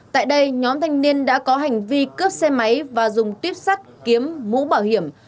tại đây nhóm thanh niên đã có hành vi cướp xe máy và dùng tuyếp sắt kiếm mũ bảo hiểm